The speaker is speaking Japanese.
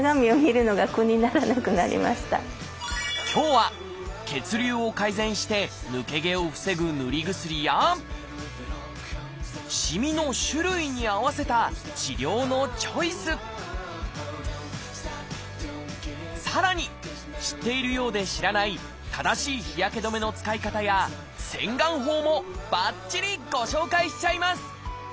今日は血流を改善して抜け毛を防ぐ塗り薬やしみの種類に合わせた治療のチョイスさらに知っているようで知らない正しい日焼け止めの使い方や洗顔法もばっちりご紹介しちゃいます！